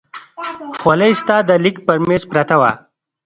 خولۍ ستا د لیک پر مېز پرته وه.